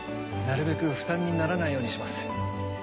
なるべく負担にならないようにします。